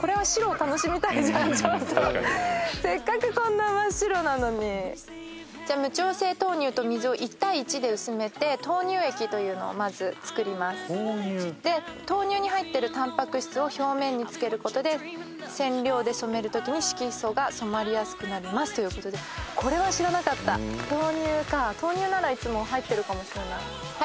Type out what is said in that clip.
これは白を楽しみたいじゃんちょっとせっかくこんな真っ白なのにじゃ無調整豆乳と水を１対１で薄めて豆乳液というのをまず作りますで豆乳に入ってるたんぱく質を表面につけることで染料で染めるときに色素が染まりやすくなりますということで豆乳か豆乳ならいつも入ってるかもしれないはい